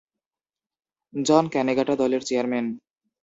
জন ক্যানেগাটা দলের চেয়ারম্যান।